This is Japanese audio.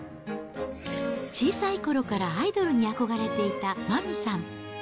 小さいころからアイドルに憧れていた麻美さん。